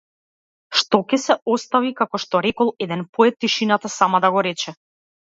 Што ќе се остави како што рекол еден поет тишината сама да го рече.